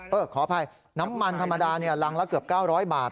ขออภัยน้ำมันธรรมดารังละเกือบ๙๐๐บาท